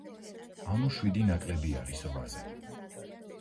ანუ შვიდი ნაკლები არის რვაზე.